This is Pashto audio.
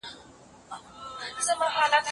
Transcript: آیا تاسو د نورو له کلتور خبر یاست؟